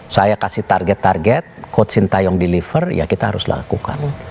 saya kasih target target coach sintayong deliver ya kita harus lakukan